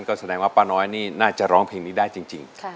ก็แสดงว่าป้าน้อยนี่น่าจะร้องเพลงนี้ได้จริง